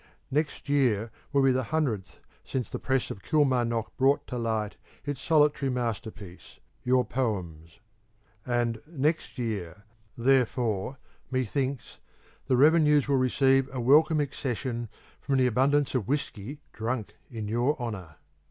Next year will be the hundredth since the press of Kilmarnock brought to light its solitary masterpiece, your Poems; and next year, therefore, methinks, the revenue will receive a welcome accession from the abundance of whisky drunk in your honour.